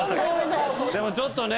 でもちょっとね。